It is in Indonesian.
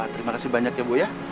terima kasih banyak ya bu ya